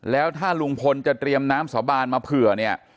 แล้วถ้าลุงพลจะเตรียมน้ำสาบานมาเผื่อเนี่ย